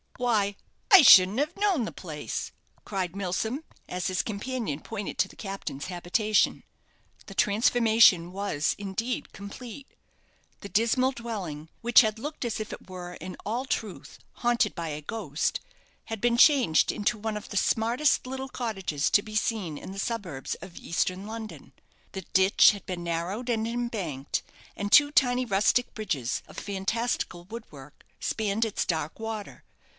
"Why I shouldn't have known the place!" cried Milsom, as his companion pointed to the captain's habitation. The transformation was, indeed, complete. The dismal dwelling, which had looked as if it were, in all truth, haunted by a ghost, had been changed into one of the smartest little cottages to be seen in the suburbs of eastern London. The ditch had been narrowed and embanked, and two tiny rustic bridges, of fantastical wood work, spanned its dark water.